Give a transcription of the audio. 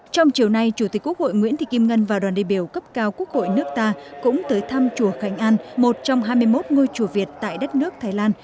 trong chiều nay chủ tịch quốc hội nguyễn thị kim ngân và đoàn đề biểu cấp cao quốc hội nước ta cũng tới thăm chùa khánh an một trong hai mươi một ngôi chùa việt tại đất nước thái lan